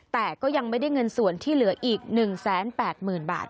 แต่ก็ยังไม่ได้เงินส่วนที่เหลืออีก๑๘๐๐๐บาท